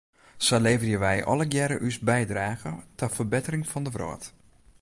Sa leverje wij allegearre ús bydrage ta ferbettering fan de wrâld.